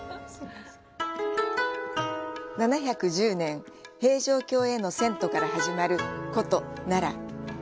７１０年、平城京への遷都から始まる古都・奈良。